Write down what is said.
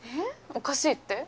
おかしいって？